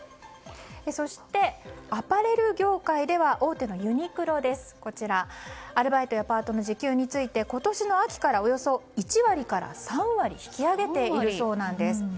そして、アパレル業界では大手のユニクロですがアルバイトやパートの時給について今年の秋からおよそ１割から３割引き上げているそうなんです。